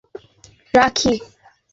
ঠিক আছে, রাখি।